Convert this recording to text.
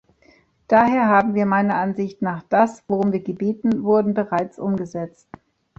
Daher haben wir meiner Ansicht nach das, worum wir gebeten wurden, bereits umgesetzt.